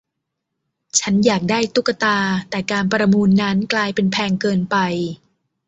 ฉันอยากได้ตุ๊กตา แต่การประมูลนั้นกลายเป็นแพงเกินไป